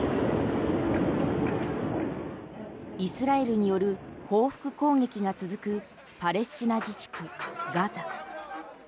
イスラエルによる報復攻撃が続くパレスチナ自治区ガザ。